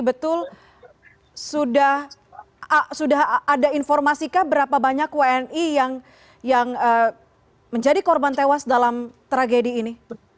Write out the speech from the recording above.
betul sudah ada informasikah berapa banyak wni yang menjadi korban tewas dalam tragedi ini